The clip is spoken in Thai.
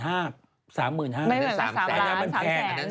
ไม่เหมือนกัน๓ล้าน๓แสน